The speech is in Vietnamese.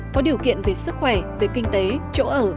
có điều kiện về sức khỏe về kinh tế chỗ ở